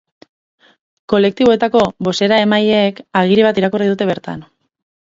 Kolektiboetako bozeramaileek agiri bat irakurri dute bertan.